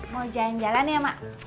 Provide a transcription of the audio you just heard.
mau jalan jalan ya mak